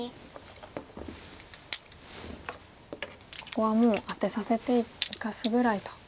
ここはもうアテさせて生かすぐらいと。